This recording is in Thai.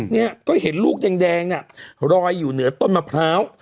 เนี่ยก็เห็นลูกแดงน่ะรอยอยู่เหนือต้นมะพร้าว